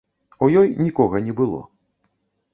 У ёй нікога не было.